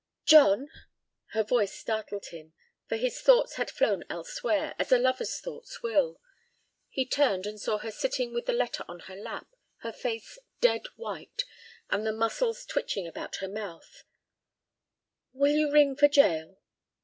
"John"—her voice startled him, for his thoughts had flown elsewhere, as a lover's thoughts will; he turned and saw her sitting with the letter on her lap, her face dead white, and the muscles twitching about her mouth—"will you ring for Jael?"